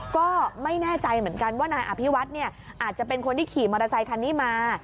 ก็ไม่แน่ใจเหมือนกันว่านายอภิวัฒน์เนี่ยอาจจะเป็นคนที่ขี่มอเตอร์ไซคันนี้มา